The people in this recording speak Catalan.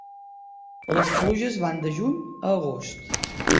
Les pluges van de juny a agost.